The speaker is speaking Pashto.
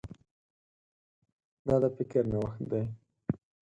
دا د فکر نوښت دی.